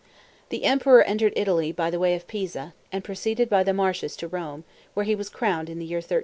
The emperor entered Italy by the way of Pisa, and proceeded by the marshes to Rome, where he was crowned in the year 1312.